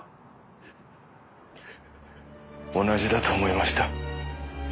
同じだと思いました。